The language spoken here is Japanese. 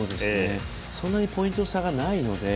そんなにポイント差がないので。